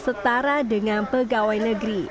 setara dengan pegawai negeri